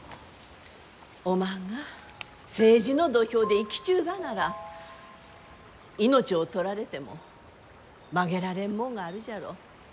おまんが政治の土俵で生きちゅうがなら命を取られても曲げられんもんがあるじゃろう。